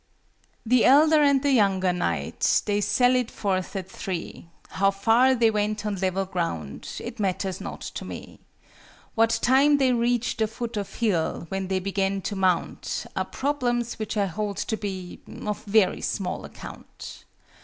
The elder and the younger knight, They sallied forth at three; How far they went on level ground It matters not to me; What time they reached the foot of hill, When they began to mount, Are problems which I hold to be Of very small account.